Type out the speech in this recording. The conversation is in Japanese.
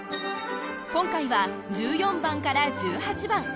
今回は１４番から１８番。